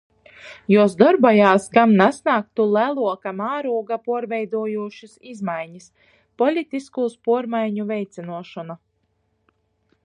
Juos dorbojās, kab sasnāgtu leluoka mārūga puorveidojūšys izmainis. Politiskūs puormaiņu veicynuošona.